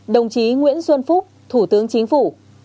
đồng chí nguyễn xuân phúc thủ tướng chính phủ